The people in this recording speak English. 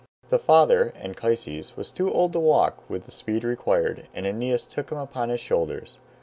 The father, Anchises, was too old to walk with the speed required, and Aeneas took him upon his shoulders.